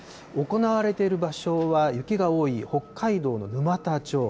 行われている場所は、雪が多い北海道の沼田町。